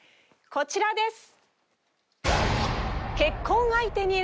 こちらです。